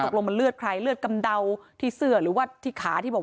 ตกลงมันเลือดใครเลือดกำเดาที่เสื้อหรือว่าที่ขาที่บอก